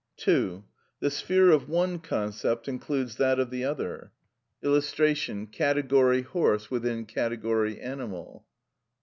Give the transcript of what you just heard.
(2.) The sphere of one concept includes that of the other. [Illustration: Category "horse" within category "animal".